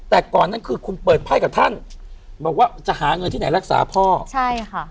แต่ก่อนนั้นคือคุณเปิดไพ่กับท่านบอกว่าจะหาเงินที่ไหนรักษาพ่อใช่ค่ะ